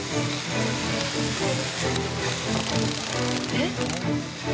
えっ？